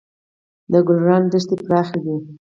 د ګلران دښتې پراخې دي